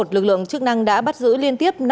lực lượng chức năng đã bắt giữ liên tiếp